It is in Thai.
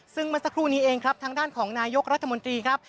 ซึ่งเมื่อสักครู่นี้เองครับทางด้านของนายกรัฐมนตรีครับ